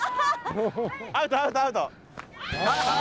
アウトアウトアウト！